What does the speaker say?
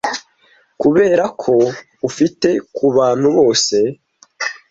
kuberako ufite kubantu bose